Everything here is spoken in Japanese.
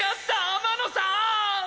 天野さーん！